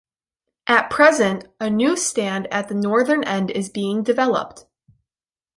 At present, a new stand at the northern end is being developed.